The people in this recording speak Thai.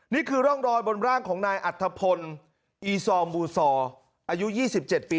นี่คือร่องรอยบนร่างของนายอัธพลอีซอมบูซออายุ๒๗ปี